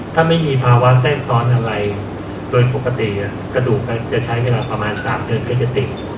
ถ้าไม่มีภาวะแทรกซ้อนอะไรโดยปกติกระดูกก็จะใช้เวลาประมาณ๓เดือนก็จะติด